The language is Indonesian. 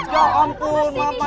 ya ampun mama